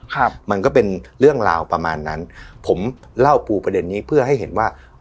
ครับมันก็เป็นเรื่องราวประมาณนั้นผมเล่าปูประเด็นนี้เพื่อให้เห็นว่า